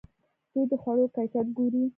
دوی د خوړو کیفیت ګوري.